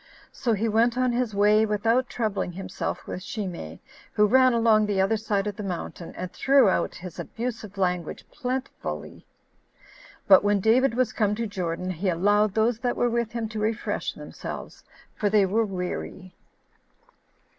So he went on his way without troubling himself with Shimei, who ran along the other side of the mountain, and threw out his abusive language plentifully. But when David was come to Jordan, he allowed those that were with him to refresh themselves; for they were weary.